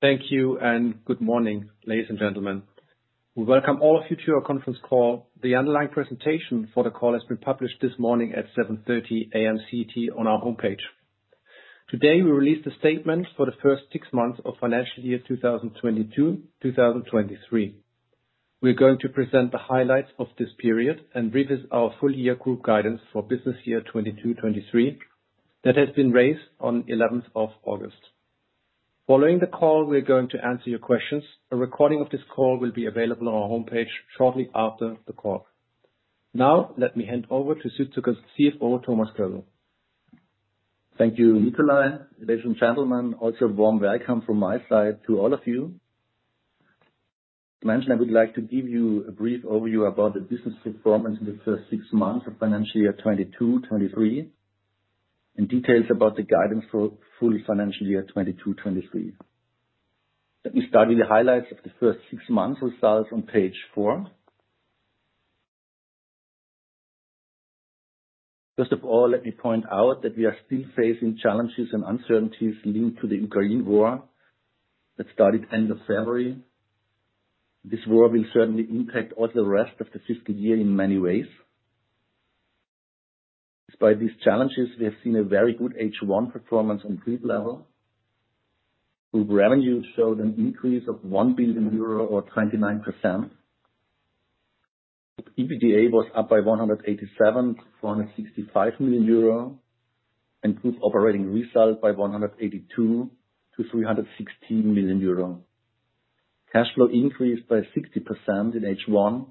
Thank you, and good morning, ladies and gentlemen. We welcome all of you to our conference call. The underlying presentation for the call has been published this morning at 7:30 A.M. CET on our homepage. Today, we release the statement for the first 6 months of financial year 2022/2023. We're going to present the highlights of this period and revisit our full year group guidance for business year 2022/2023 that has been raised on 11th of August. Following the call, we're going to answer your questions. A recording of this call will be available on our homepage shortly after the call. Now, let me hand over to Südzucker's CFO, Thomas Kölbl. Thank you, Nikolai. Ladies and gentlemen, also a warm welcome from my side to all of you. Next, I would like to give you a brief overview about the business performance in the first 6 months of financial year 2022/2023, and details about the guidance for full financial year 2022/2023. Let me start with the highlights of the first 6 months results on page four. First of all, let me point out that we are still facing challenges and uncertainties linked to the Ukraine war that started end of February. This war will certainly impact all the rest of the fiscal year in many ways. Despite these challenges, we have seen a very good H1 performance on group level. Group revenue showed an increase of 1 billion euro or 29%. EBITDA was up by 187 to 465 million euro, and group operating result by 182 to 316 million euro. Cash flow increased by 60% in H1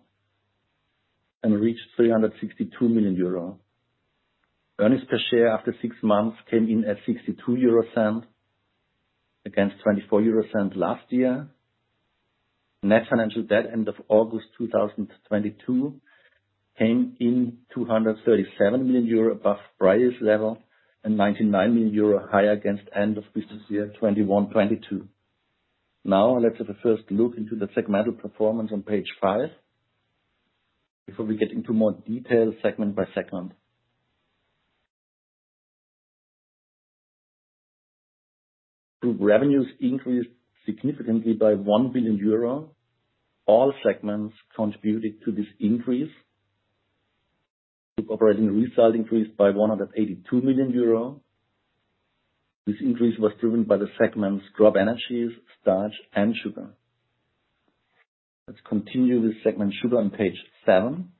and reached 362 million euro. Earnings per share after 6 months came in at 0.62 against 0.24 last year. Net financial debt end of August 2022 came in 237 million euro above prior year's level and 99 million euro higher against end of business year 2021/22. Now, let's have a first look into the segmental performance on page five before we get into more detail segment by segment. Group revenues increased significantly by 1 billion euro. All segments contributed to this increase. Group operating result increased by 182 million euro. This increase was driven by the segments CropEnergies, Starch, and Sugar. Let's continue with segment Sugar on page seven.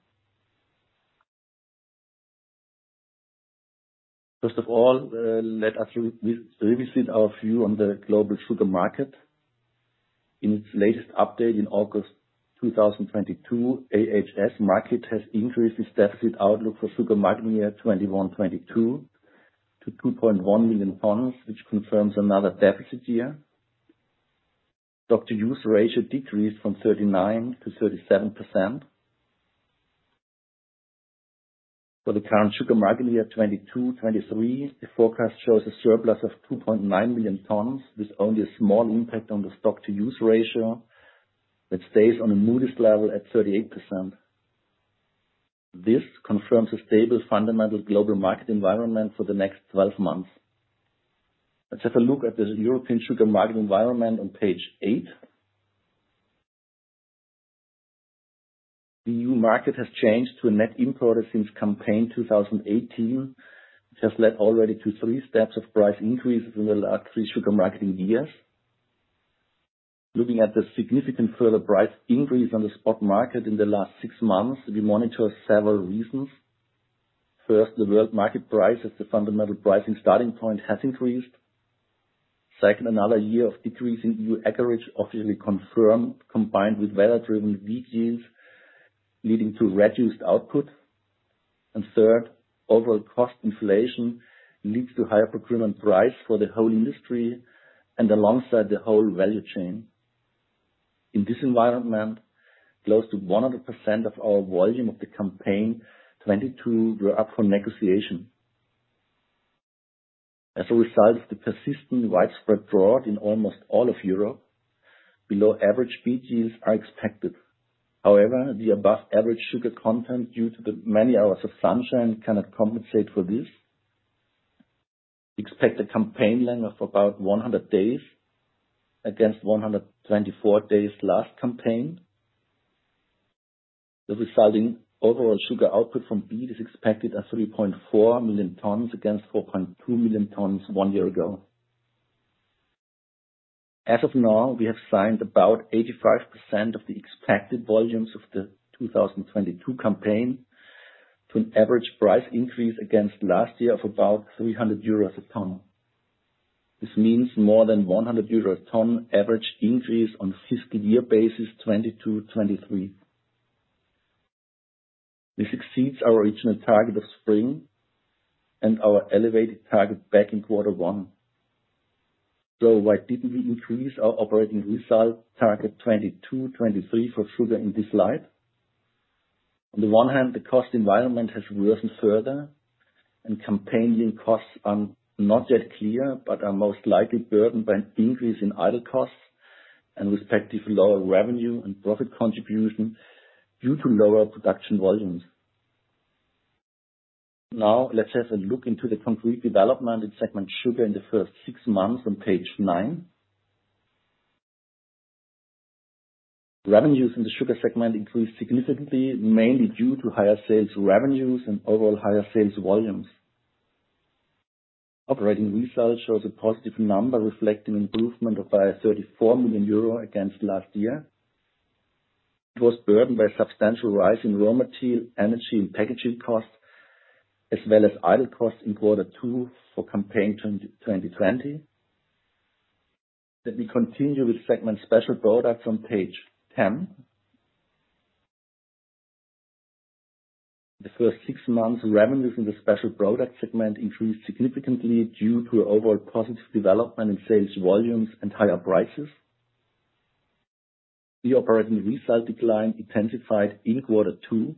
First of all, let us revisit our view on the global sugar market. In its latest update in August 2022, IHS Markit has increased its deficit outlook for sugar marketing year 2021/2022 to 2.1 million tons, which confirms another deficit year. Stock-to-use ratio decreased from 39% to 37%. For the current sugar marketing year 2022/2023, the forecast shows a surplus of 2.9 million tons, with only a small impact on the stock-to-use ratio that stays on the modest level at 38%. This confirms a stable fundamental global market environment for the next 12 months. Let's have a look at the European sugar market environment on page eight. The EU market has changed to a net importer since campaign 2018, which has led already to three steps of price increases in the last three sugar marketing years. Looking at the significant further price increase on the spot market in the last 6 months, we monitor several reasons. First, the world market price as the fundamental pricing starting point has increased. Second, another year of decreasing EU acreage officially confirm, combined with weather-driven beet yields, leading to reduced output. Third, overall cost inflation leads to higher procurement price for the whole industry and alongside the whole value chain. In this environment, close to 100% of our volume of the campaign 2022 were up for negotiation. As a result of the persistent widespread drought in almost all of Europe, below average beet yields are expected. However, the above average sugar content due to the many hours of sunshine cannot compensate for this. Expect a campaign length of about 100 days against 124 days last campaign. The resulting overall sugar output from beet is expected at 3.4 million tons against 4.2 million tons 1 year ago. As of now, we have signed about 85% of the expected volumes of the 2022 campaign to an average price increase against last year of about 300 euros a ton. This means more than 100 euros a ton average increase on fiscal year basis 2022/2023. This exceeds our original target of spring and our elevated target back in quarter one. Why didn't we increase our operating result target 2022/2023 for sugar in this slide? On the one hand, the cost environment has worsened further and campaign costs are not yet clear, but are most likely burdened by an increase in idle costs and respective lower revenue and profit contribution due to lower production volumes. Now let's have a look into the concrete development in segment Sugar in the first 6 months on page nine. Revenues in the Sugar segment increased significantly, mainly due to higher sales revenues and overall higher sales volumes. Operating results shows a positive number, reflecting improvement of by 34 million euro against last year. It was burdened by a substantial rise in raw material, energy, and packaging costs, as well as idle costs in quarter two for campaign 2020. Let me continue with segment Special Products on page 10. The first 6 months revenues in the Special Products segment increased significantly due to overall positive development in sales volumes and higher prices. The operating result decline intensified in quarter two.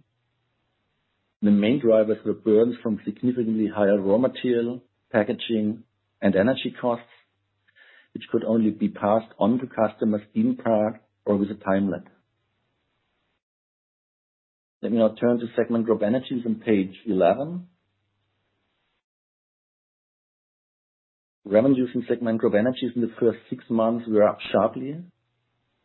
The main drivers were burdens from significantly higher raw material, packaging, and energy costs, which could only be passed on to customers in part or with a time lag. Let me now turn to segment CropEnergies on page 11. Revenues in segment CropEnergies in the first 6 months were up sharply.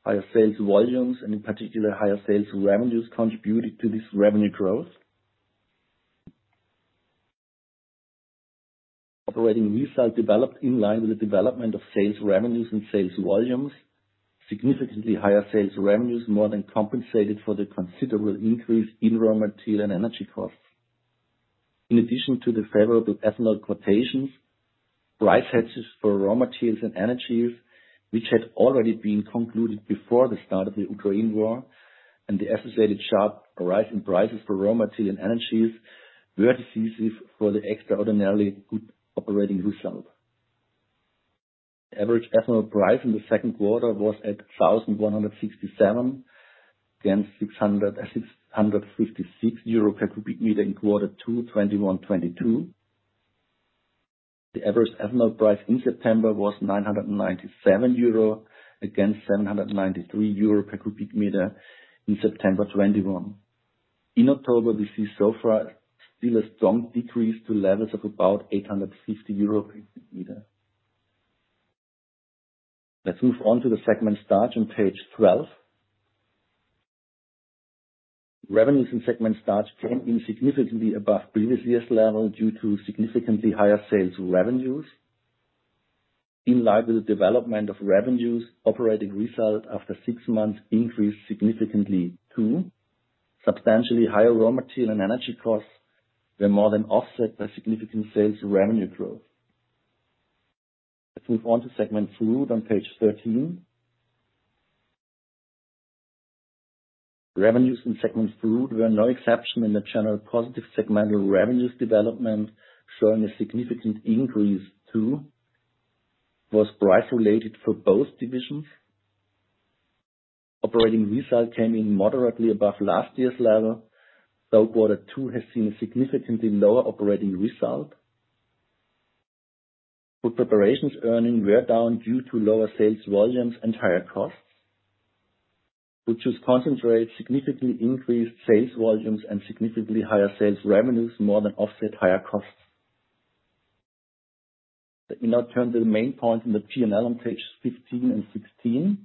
Higher sales volumes and in particular higher sales revenues contributed to this revenue growth. Operating results developed in line with the development of sales revenues and sales volumes. Significantly higher sales revenues more than compensated for the considerable increase in raw material and energy costs. In addition to the favorable ethanol quotations, price hedges for raw materials and energies, which had already been concluded before the start of the Ukraine war, and the associated sharp rise in prices for raw material and energies were decisive for the extraordinarily good operating result. Average ethanol price in the second quarter was at 1,167 against 656 euro per cu m in quarter two 2021/2022. The average ethanol price in September was 997 euro against 793 euro per cu m in September 2021. In October, we see so far still a strong decrease to levels of about 850 euro per cu m. Let's move on to the segment Starch on page 12. Revenues in segment Starch came in significantly above previous year's level due to significantly higher sales revenues. In line with the development of revenues, operating results after 6 months increased significantly too. Substantially higher raw material and energy costs were more than offset by significant sales revenue growth. Let's move on to segment Food on page 13. Revenues in segment Food were no exception to the general positive development of revenues, showing a significant increase too, which was price-related for both divisions. Operating results came in moderately above last year's level, though quarter two has seen a significantly lower operating result. Food preparations earnings were down due to lower sales volumes and higher costs, whereas concentrates significantly increased sales volumes and significantly higher sales revenues more than offset higher costs. Let me now turn to the main points in the P&L on pages 15 and 16.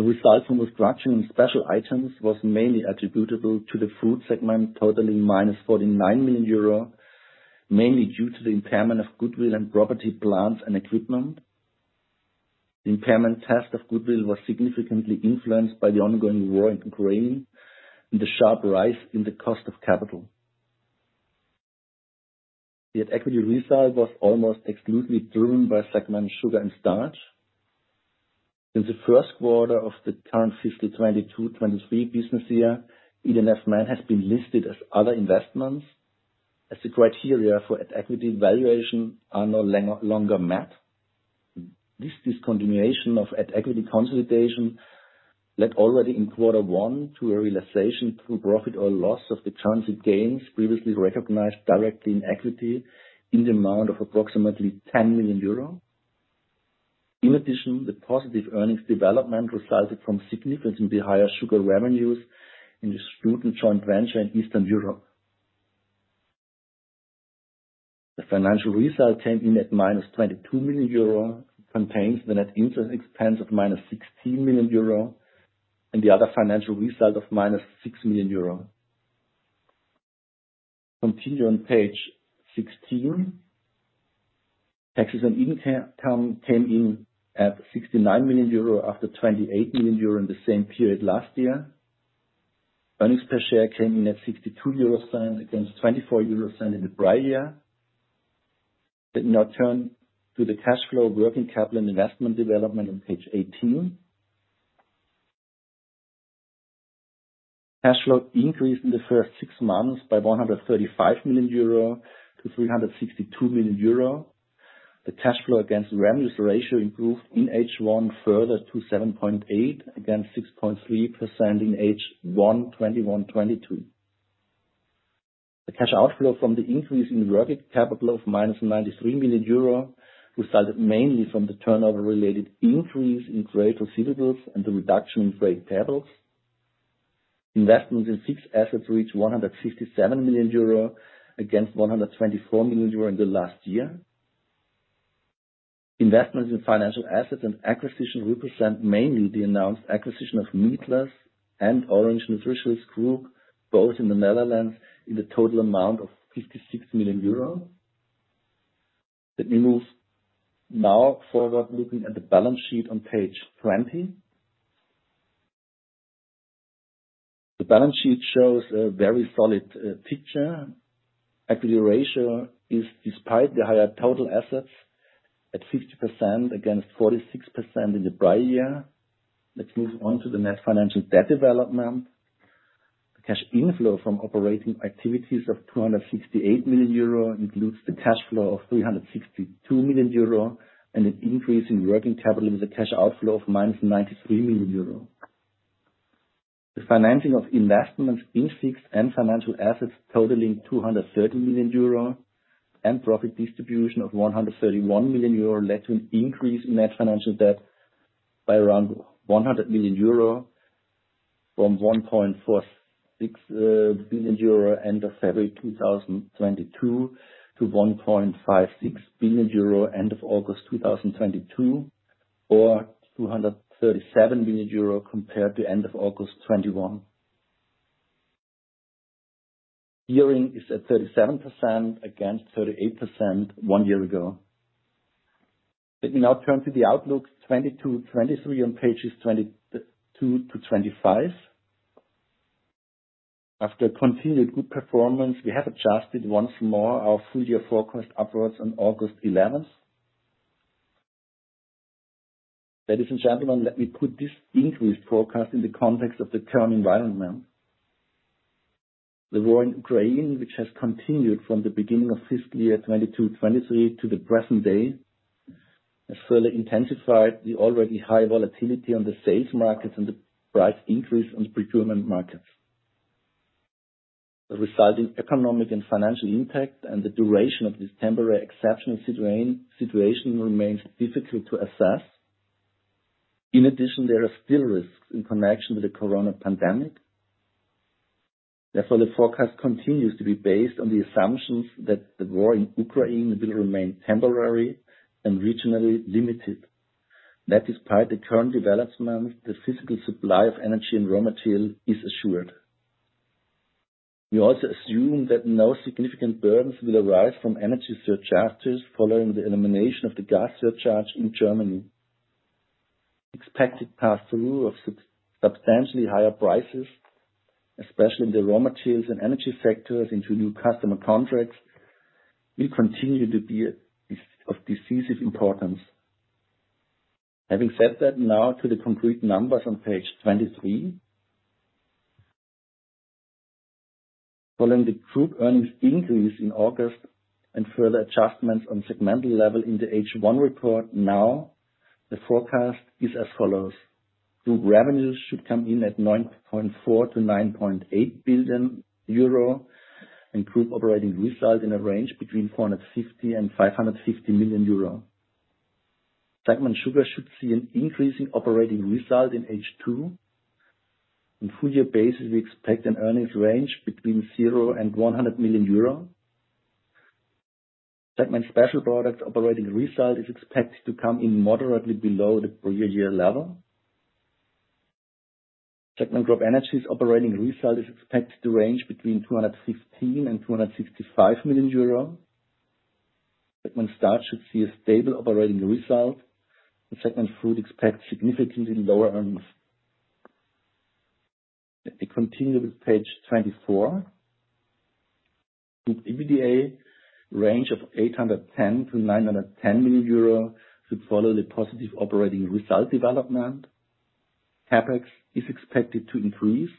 The result from restructuring and special items was mainly attributable to the Food segment totaling -49 million euro, mainly due to the impairment of goodwill and property, plant, and equipment. The impairment test of goodwill was significantly influenced by the ongoing war in Ukraine and the sharp rise in the cost of capital. The equity result was almost exclusively driven by segment Sugar and Starch. In the first quarter of the current 2022/2023 business year, ED&F Man has been listed as other investments as the criteria for at-equity valuation are no longer met. This discontinuation of at-equity consolidation led already in quarter one to a realization through profit or loss of the translation gains previously recognized directly in equity in the amount of approximately 10 million euro. In addition, the positive earnings development resulted from significantly higher sugar revenues in the Sucden joint venture in Eastern Europe. The financial result came in at -22 million euro, contains the net interest expense of -16 million euro, and the other financial result of -6 million euro. Continue on page 16. Taxes and income came in at 69 million euro after 28 million euro in the same period last year. Earnings per share came in at 0.62 against 0.24 in the prior year. Let's now turn to the cash flow, working capital, and investment development on page 18. Cash flow increased in the first 6 months by 135 million euro to 362 million euro. The cash flow against revenues ratio improved in H1 further to 7.8% against 6.3% in H1 2021/2022. The cash outflow from the increase in working capital of -93 million euro resulted mainly from the turnover related increase in trade receivables and the reduction in trade payables. Investments in fixed assets reached 157 million euro against 124 million euro in the last year. Investments in financial assets and acquisition represent mainly the announced acquisition of Meatless and Orange Nutritionals Group, both in the Netherlands, in the total amount of 56 million euros. Let me move now forward looking at the balance sheet on page 20. The balance sheet shows a very solid picture. Equity ratio is, despite the higher total assets, at 50% against 46% in the prior year. Let's move on to the net financial debt development. The cash inflow from operating activities of 268 million euro includes the cash flow of 362 million euro and an increase in working capital with a cash outflow of -93 million euro. The financing of investments in fixed and financial assets totaling 230 million euro and profit distribution of 131 million euro led to an increase in net financial debt by around 100 million euro from 1.46 billion euro end of February 2022 to 1.56 billion euro end of August 2022, or 237 million euro compared to end of August 2021. Gearing is at 37% against 38% 1 year ago. Let me now turn to the outlook 2022/2023 on pages 22 to 25. After continued good performance, we have adjusted once more our full-year forecast upwards on August 11th. Ladies and gentlemen, let me put this increased forecast in the context of the current environment. The war in Ukraine, which has continued from the beginning of fiscal year 2022/2023 to the present day, has further intensified the already high volatility on the sales market and the price increase on the procurement market. The resulting economic and financial impact and the duration of this temporary exceptional situation remains difficult to assess. In addition, there are still risks in connection with the corona pandemic. Therefore, the forecast continues to be based on the assumptions that the war in Ukraine will remain temporary and regionally limited. That despite the current development, the physical supply of energy and raw material is assured. We also assume that no significant burdens will arise from energy surcharges following the elimination of the gas surcharge in Germany. Expected pass-through of substantially higher prices, especially in the raw materials and energy sectors into new customer contracts, will continue to be of decisive importance. Having said that, now to the concrete numbers on page 23. Following the group earnings increase in August and further adjustments on segmental level in the H1 report, now the forecast is as follows: Group revenues should come in at 9.4 billion-9.8 billion euro and group operating result in a range between 450 million and 550 million euro. Sugar segment should see an increase in operating result in H2. On full-year basis, we expect an earnings range between 0 and 100 million euro. Special Products segment operating result is expected to come in moderately below the prior year level. CropEnergies segment operating result is expected to range between 215 million euro and 265 million euro. Starch segment should see a stable operating result, and Food segment expects significantly lower earnings. Let me continue with page 24. With EBITDA range of 810 million-910 million euro should follow the positive operating result development. CapEx is expected to increase.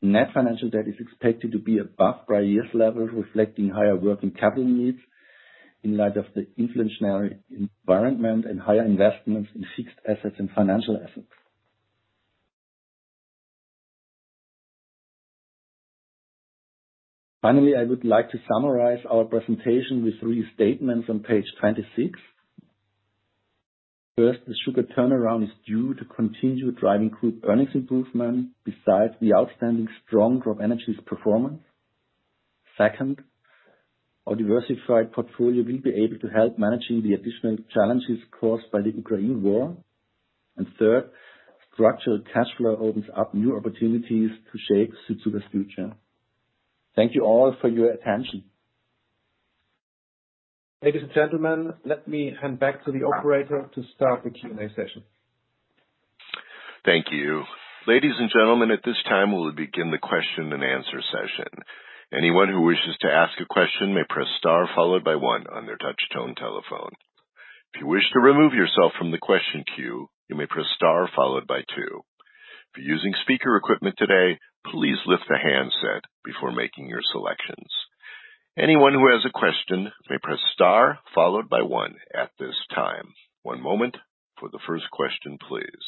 Net financial debt is expected to be above prior year's level, reflecting higher working capital needs in light of the inflationary environment and higher investments in fixed assets and financial assets. Finally, I would like to summarize our presentation with three statements on page 26. First, the sugar turnaround is due to continued driving group earnings improvement besides the outstanding strong CropEnergies performance. Second, our diversified portfolio will be able to help managing the additional challenges caused by the Ukraine war. Third, structural cash flow opens up new opportunities to shape Südzucker's future. Thank you all for your attention. Ladies and gentlemen, let me hand back to the operator to start the Q&A session. Thank you. Ladies and gentlemen, at this time, we'll begin the question and answer session. Anyone who wishes to ask a question may press star followed by one on their touch tone telephone. If you wish to remove yourself from the question queue, you may press star followed by two. If you're using speaker equipment today, please lift the handset before making your selections. Anyone who has a question may press star followed by one at this time. One moment for the first question, please.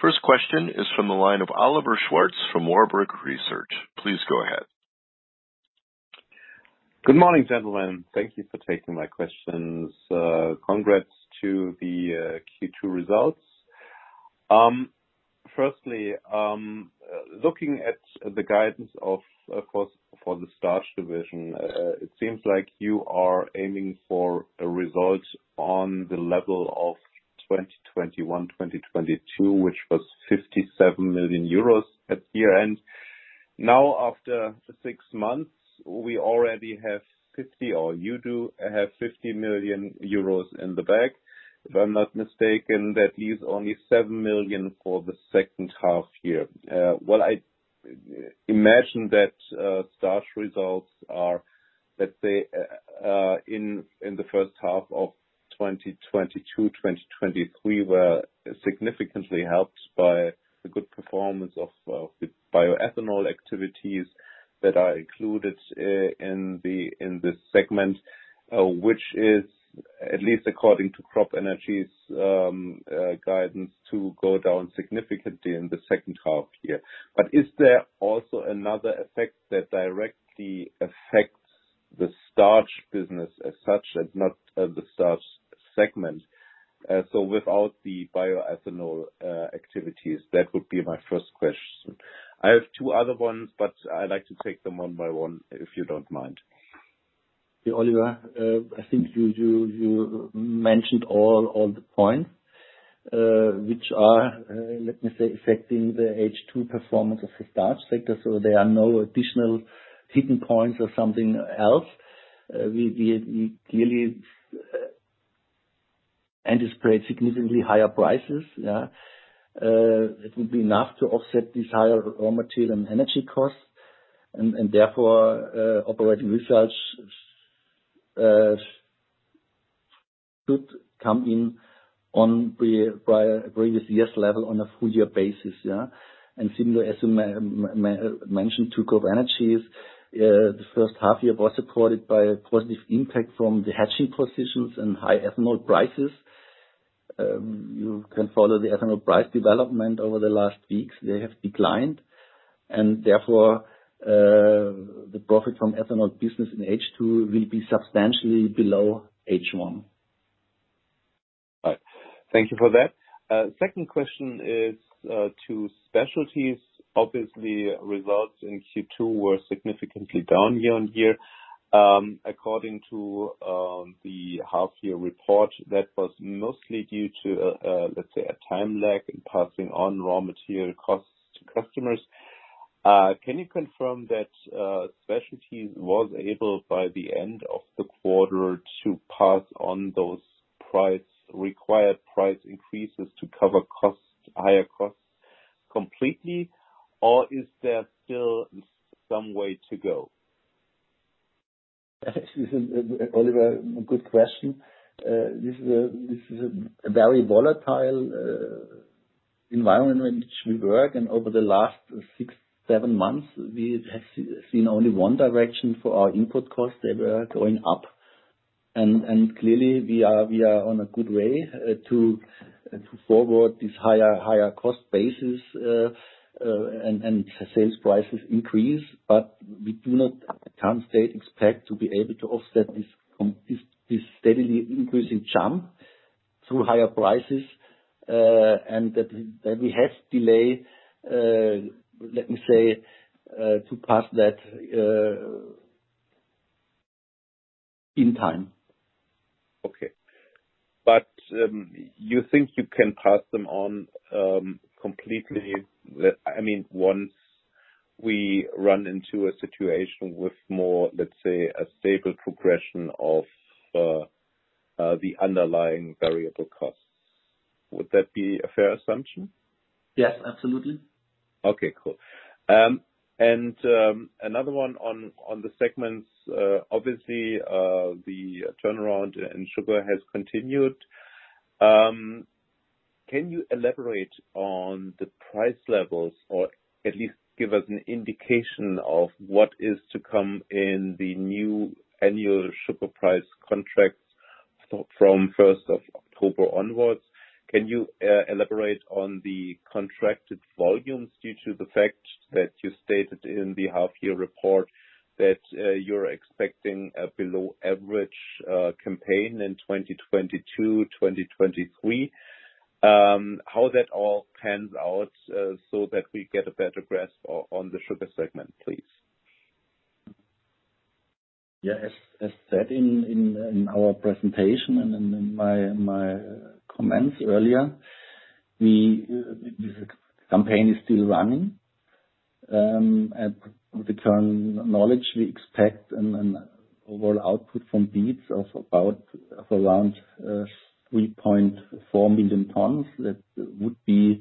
First question is from the line of Oliver Schwarz from Warburg Research. Please go ahead. Good morning, gentlemen. Thank you for taking my questions. Congrats to the Q2 results. Firstly, looking at the guidance for the Starch division, it seems like you are aiming for a result on the level of 2021/2022, which was 57 million euros at year-end. Now, after 6 months, we already have 50, or you do have 50 million euros in the bag. If I'm not mistaken, that leaves only 7 million for the second half year. I imagine that Starch results are, let's say, in the first half of 2022/2023 were significantly helped by the good performance of the bioethanol activities that are included in this segment, which is at least according to CropEnergies guidance to go down significantly in the second half year. Is there also another effect that directly affects the starch business as such and not the Starch segment, so without the bioethanol activities? That would be my first question. I have two other ones, but I like to take them one by one, if you don't mind. Yeah, Oliver, I think you mentioned all the points which are, let me say, affecting the H2 performance of the starch sector, so there are no additional hidden points or something else. We clearly anticipate significantly higher prices. It will be enough to offset these higher raw material and energy costs and therefore, operating results could come in on previous year's level on a full year basis. Similar, as you mentioned to CropEnergies, the first half year was supported by a positive impact from the hedging positions and high ethanol prices. You can follow the ethanol price development over the last weeks. They have declined and therefore, the profit from ethanol business in H2 will be substantially below H1. All right. Thank you for that. Second question is to specialties. Obviously, results in Q2 were significantly down year-on-year. According to the half year report, that was mostly due to a time lag in passing on raw material costs to customers. Can you confirm that specialties was able by the end of the quarter to pass on those required price increases to cover higher costs completely? Or is there still some way to go? This is, Oliver, a good question. This is a very volatile environment in which we work, and over the last 6-7 months, we have seen only one direction for our input costs. They were going up. Clearly we are on a good way to forward this higher cost basis and sales prices increase. We do not at current state expect to be able to offset this steadily increasing jump through higher prices, and that we have a delay, let me say, to pass that in time. You think you can pass them on completely? I mean, once we run into a situation with more, let's say, a stable progression of the underlying variable costs. Would that be a fair assumption? Yes, absolutely. Okay, cool. Another one on the segments. Obviously, the turnaround in sugar has continued. Can you elaborate on the price levels, or at least give us an indication of what is to come in the new annual sugar price contracts from 1st of October onwards? Can you elaborate on the contracted volumes due to the fact that you stated in the half-year report that you're expecting a below-average campaign in 2022/2023, how that all pans out, so that we get a better grasp on the Sugar segment, please? Yeah. As said in our presentation and in my comments earlier, the campaign is still running. At the current knowledge, we expect an overall output from beets of around 3.4 million tons. That would be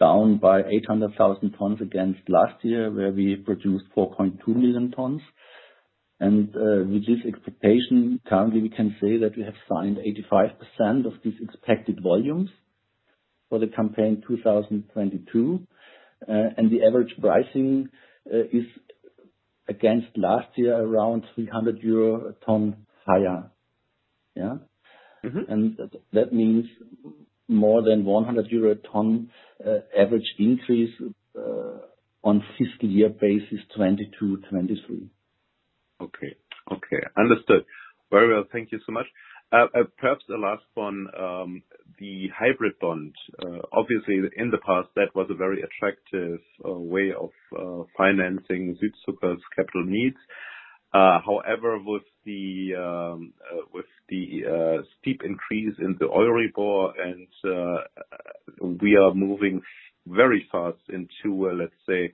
down by 800,000 tons against last year, where we produced 4.2 million tons. With this expectation, currently we can say that we have signed 85% of these expected volumes for the campaign 2022. The average pricing is against last year, around 300 euro a ton higher. Yeah. Mm-hmm. That means more than 100 euro/ton average increase on fiscal year basis 2022/2023. Okay. Understood. Very well. Thank you so much. Perhaps the last one, the hybrid bond. Obviously in the past that was a very attractive way of financing Südzucker's capital needs. However, with the steep increase in the Euribor and we are moving very fast into, let's say,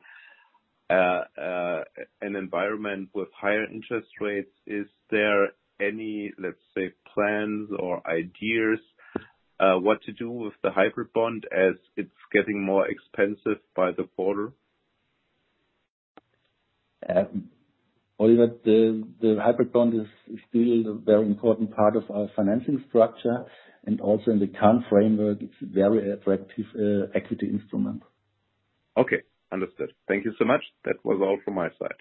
an environment with higher interest rates, is there any, let's say, plans or ideas what to do with the hybrid bond as it's getting more expensive by the quarter? Oliver, the hybrid bond is still a very important part of our financing structure and also in the current framework, it's a very attractive equity instrument. Okay, understood. Thank you so much. That was all from my side.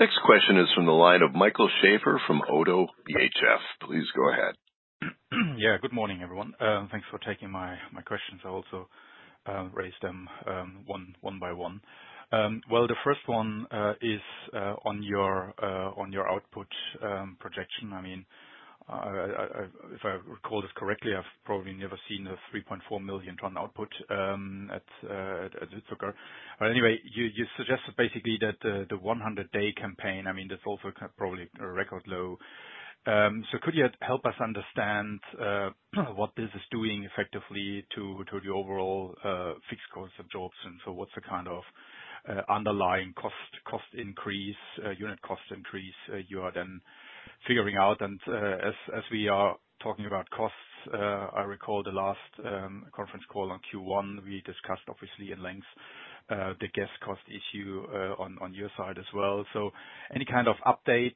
Next question is from the line of Michael Schaefer from ODDO BHF. Please go ahead. Yeah, good morning, everyone. Thanks for taking my questions. I'll also raise them one by one. Well, the first one is on your output projection. I mean, if I recall this correctly, I've probably never seen a 3.4 million ton output at Südzucker. Anyway, you suggested basically that the 100-day campaign, I mean, that's also probably a record low. So could you help us understand what this is doing effectively to the overall fixed cost absorption? What's the kind of underlying cost increase, unit cost increase you are then figuring out? As we are talking about costs, I recall the last conference call on Q1 we discussed obviously at length the gas cost issue on your side as well. Any kind of update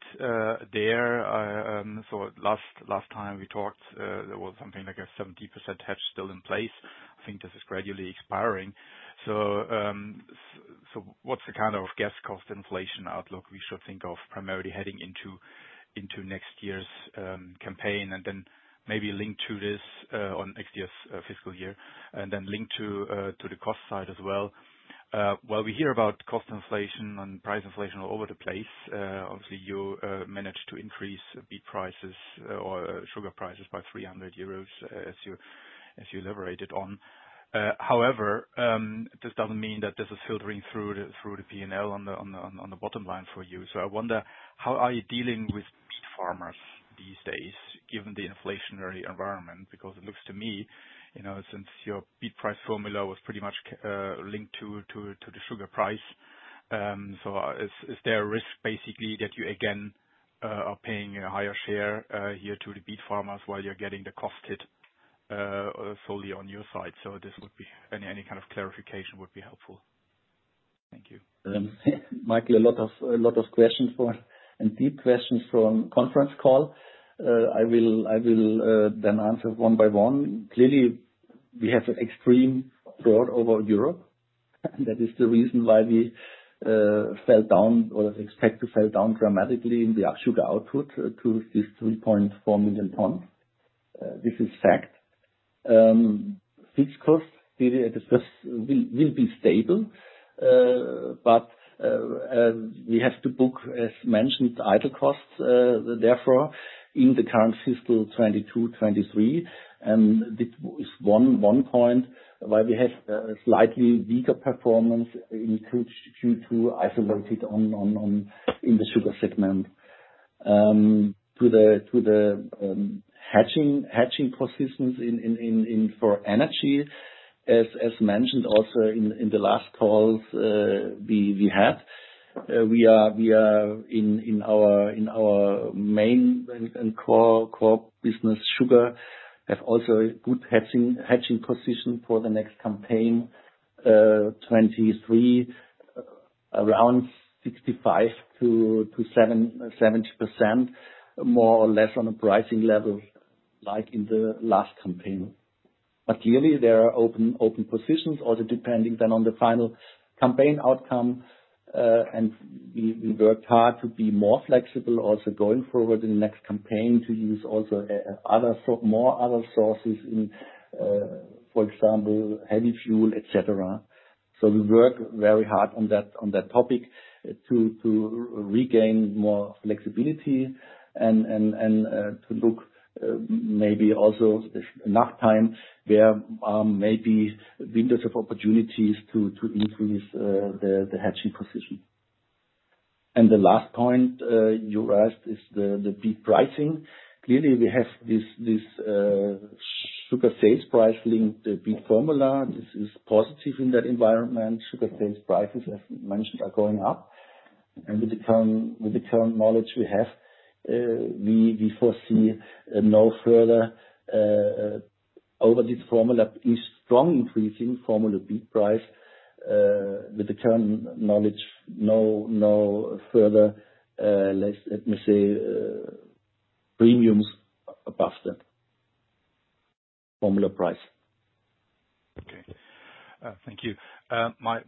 there? Last time we talked, there was something like a 70% hedge still in place. I think this is gradually expiring. What's the kind of gas cost inflation outlook we should think of primarily heading into next year's campaign? Then maybe linked to this, on next year's fiscal year, and then linked to the cost side as well, while we hear about cost inflation and price inflation all over the place, obviously you managed to increase beet prices or sugar prices by 300 euros as you elaborated on. However, this doesn't mean that this is filtering through the P&L on the bottom line for you. I wonder how are you dealing with farmers these days given the inflationary environment? Because it looks to me, you know, since your beet price formula was pretty much linked to the sugar price, so is there a risk basically that you again are paying a higher share here to the beet farmers while you're getting the cost hit solely on your side? This would be any kind of clarification would be helpful. Thank you. Michael, a lot of questions, and deep questions from conference call. I will then answer one by one. Clearly, we have an extreme drought over Europe. That is the reason why we fell down or expect to fall down dramatically in the actual output to this 3.4 million tons. This is fact. Fixed costs, we discussed, will be stable, but we have to book, as mentioned, idle costs, therefore, in the current fiscal 2022/2023, and this is one point why we have a slightly weaker performance in Q2 isolated in the Sugar segment. To the hedging persistence in energy as mentioned also in the last calls, we are in our main and core business, sugar, have also good hedging position for the next campaign 2023 around 65%-70% more or less on a pricing level like in the last campaign. Clearly there are open positions also depending then on the final campaign outcome, and we worked hard to be more flexible also going forward in the next campaign to use also other more sources in, for example, heavy fuel, etc. We work very hard on that topic to regain more flexibility and to look maybe also if enough time there, maybe windows of opportunities to increase the hedging position. The last point you asked is the beet pricing. Clearly we have this sugar base price-linked beet formula. This is positive in that environment. Sugar sales prices, as mentioned, are going up. With the current knowledge we have, we foresee no further over this formula, a strong increase in formula beet price, with the current knowledge, no further, let me say, premiums above the formula price. Okay. Thank you. My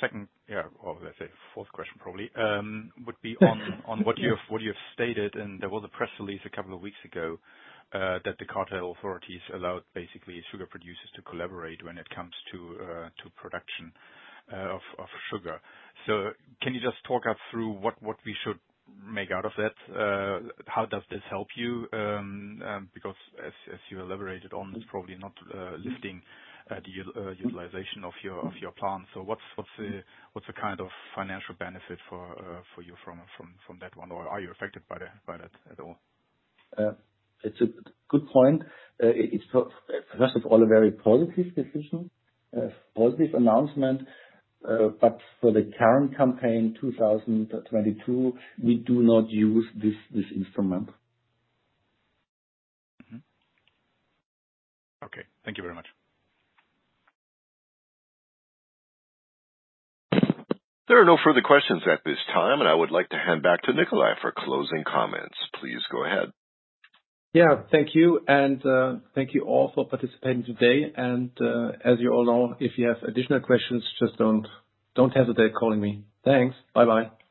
second, yeah, or let's say fourth question probably would be on what you have stated, and there was a press release a couple of weeks ago that the cartel authorities allowed basically sugar producers to collaborate when it comes to production of sugar. Can you just talk us through what we should make out of that? How does this help you? Because as you elaborated on, it's probably not lifting the utilization of your plant. What's the kind of financial benefit for you from that one? Or are you affected by that at all? It's a good point. It's first of all a very positive decision, a positive announcement, but for the current campaign, 2022, we do not use this instrument. Okay. Thank you very much. There are no further questions at this time, and I would like to hand back to Nikolai for closing comments. Please go ahead. Yeah. Thank you. Thank you all for participating today. As you all know, if you have additional questions, just don't hesitate calling me. Thanks. Bye-bye.